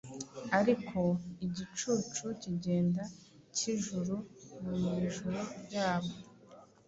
Ariko igicucu kigenda kijuru mwijuru ryabo